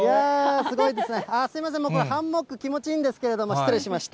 すごいですね、すみません、僕、ハンモック、気持ちいいんですけれども、失礼しました。